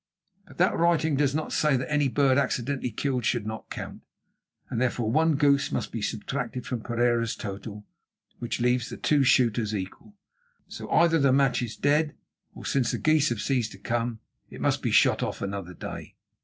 But that writing does say that any bird accidentally killed should not count, and therefore one goose must be subtracted from Pereira's total, which leaves the two shooters equal. So either the match is dead or, since the geese have ceased to come, it must be shot off another day."